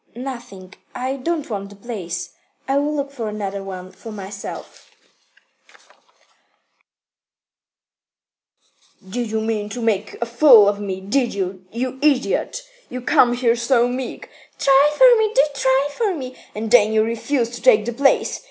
"Nothing. I don't want the place. I will look for another one for myself." Yegor flew into a rage. "Did you mean to make a fool of me, did you, you idiot? You come here so meek 'Try for me, do try for me' and then you refuse to take the place.